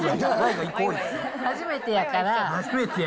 初めてやから。